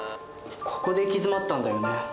ここで行き詰まったんだよね。